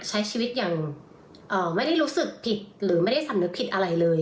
ใช้ชีวิตอย่างไม่ได้รู้สึกผิดหรือไม่ได้สำนึกผิดอะไรเลย